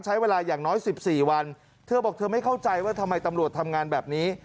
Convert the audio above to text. ใช้เวลาอย่างน้อย๑๔วันเธอบอกเธอไม่เข้าใจว่าทำไมตำรวจทำงานแบบนี้